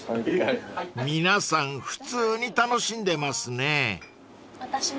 ［皆さん普通に楽しんでますね］